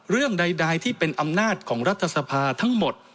เรื่องใดที่เป็นอำนาจของรัฐสภาทั้งหมด